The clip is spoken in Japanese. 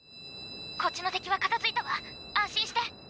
こっちの敵は片付いたわ安心して。